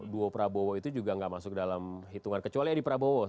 duo prabowo itu juga nggak masuk dalam hitungan kecuali edi prabowo